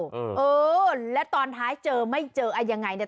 เออเออแล้วตอนท้ายเจอไม่เจอยังไงเนี่ย